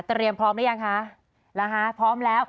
เตรียมพร้อมหรือยังคะพร้อมแล้ว